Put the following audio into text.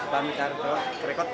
ya itu lah kerekot